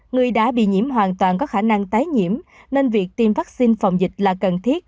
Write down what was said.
người đã bị nhiễm hoàn toàn có khả năng tái nhiễm nên việc tiêm vaccine phòng dịch là cần thiết